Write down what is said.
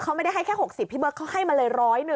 เขาไม่ได้ให้แค่๖๐พี่เบิร์ดเขาให้มาเลย๑๐๐นึง